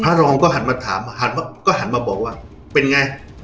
พระรองก็หันมาถามก็หันมาบอกว่าเป็นไง